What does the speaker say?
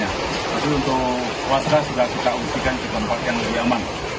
jadi untuk situasi ini bisa berlangsung kemungkinan sampai satu jam atau dua jam